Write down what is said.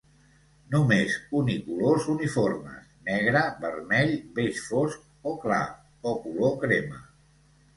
Només unicolors uniformes: negre, vermell, beix fosc o clar, o color crema.